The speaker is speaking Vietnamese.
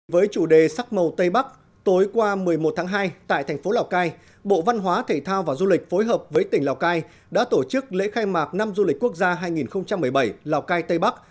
với chủ đề sắc màu tây bắc tối qua một mươi một tháng hai tại thành phố lào cai bộ văn hóa thể thao và du lịch phối hợp với tỉnh lào cai đã tổ chức lễ khai mạc năm du lịch quốc gia hai nghìn một mươi bảy lào cai tây bắc